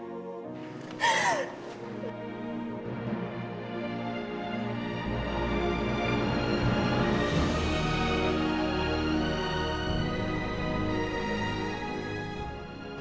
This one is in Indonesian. masya allah gila